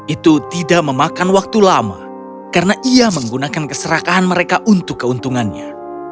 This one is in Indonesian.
itu tidak memakan waktu lama karena ia menggunakan keserakahan mereka untuk keuntungannya